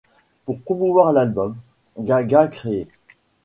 Pour promouvoir l’album, Gaga crée '.